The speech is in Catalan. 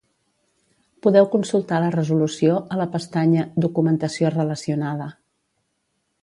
Podeu consultar la resolució a la pestanya "Documentació relacionada".